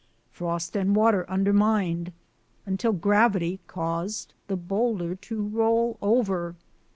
Frost and water undermined, until gravity caused the boulder to roll over.